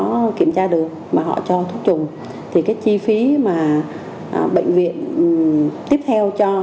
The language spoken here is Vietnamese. nếu bệnh viện không có kiểm tra được mà họ cho thuốc chùng thì cái chi phí mà bệnh viện tiếp theo cho